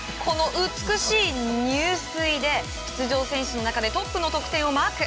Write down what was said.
美しい入水で出場選手の中でトップの得点をマーク。